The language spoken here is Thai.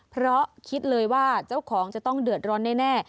เพราะคิดเลยว่าเจ้าของจะต้องเดือดร้อนแน่